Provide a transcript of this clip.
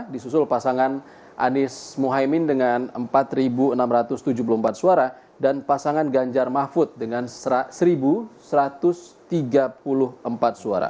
disusul pasangan anies mohaimin dengan empat enam ratus tujuh puluh empat suara dan pasangan ganjar mahfud dengan satu satu ratus tiga puluh empat suara